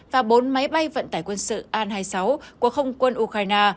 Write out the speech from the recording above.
và bốn máy bay vận tải quân sự an hai mươi sáu của không quân ukraine